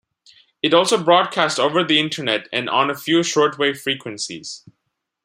It also broadcast over the Internet and on a few shortwave frequencies.